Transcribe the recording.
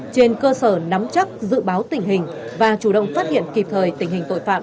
trên cơ sở nắm chắc dự báo tình hình và chủ động phát hiện kịp thời tình hình tội phạm